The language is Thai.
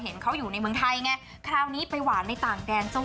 เป็นาวไมคงคงคนกอดกะหล่อมังทุกคน